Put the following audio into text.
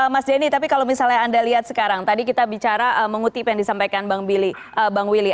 mas denny tapi kalau misalnya anda lihat sekarang tadi kita bicara mengutip yang disampaikan bang willy